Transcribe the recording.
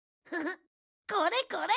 これこれ！